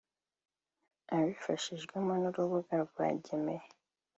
abifashijwemo n’urubuga rwa gemeya